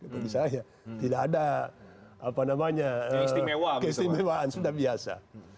bagi saya tidak ada apa namanya keistimewaan sudah biasa